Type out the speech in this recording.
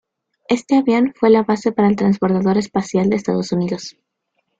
Este avión fue la base para el Transbordador Espacial de Estados Unidos.